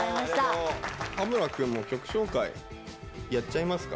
羽村くんも曲紹介やっちゃいますか。